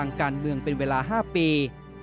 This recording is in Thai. ทางการเมืองเป็นเวลา๕ปี